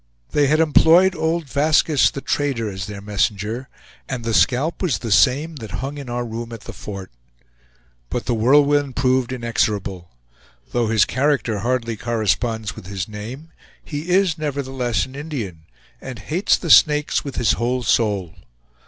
They had employed old Vaskiss, the trader, as their messenger, and the scalp was the same that hung in our room at the fort. But The Whirlwind proved inexorable. Though his character hardly corresponds with his name, he is nevertheless an Indian, and hates the Snakes with his whole soul.